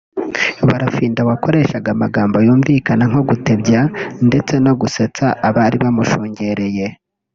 Barafinda wakoreshaga amagambo yumvikana nko gutebya ndetse no gusetsa abari bamushungereye